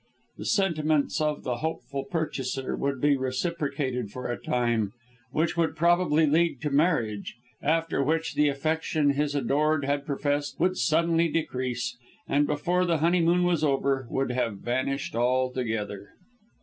The sentiments of the hopeful purchaser would be reciprocated for a time, which would probably lead to marriage after which the affection his adored had professed would suddenly decrease, and before the honeymoon was over, would have vanished altogether.